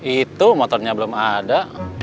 itu motornya belum ada